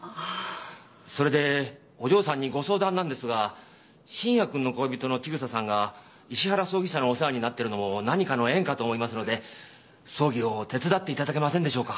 それでお嬢さんにご相談なんですが信也君の恋人の千草さんが石原葬儀社のお世話になってるのも何かの縁かと思いますので葬儀を手伝っていただけませんでしょうか。